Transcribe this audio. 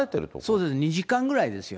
そうです、２時間ぐらいですよ。